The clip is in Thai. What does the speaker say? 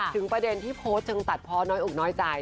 ถึงประเด็นที่โพสต์จึงตัดพอน้อยอุ๊กน้อยใจ